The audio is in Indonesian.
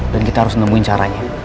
dan kita harus nemuin caranya